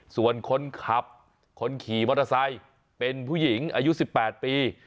ส่วนคนขับคนขี่มอเตอร์ไซค์เป็นผู้หญิงอายุ๑๘ปี